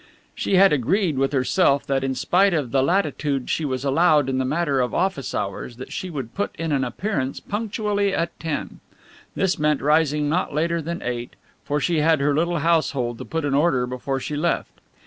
She had agreed with herself that in spite of the latitude she was allowed in the matter of office hours, that she would put in an appearance punctually at ten. This meant rising not later than eight, for she had her little household to put in order before she left.